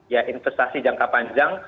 ya investasi jangka panjang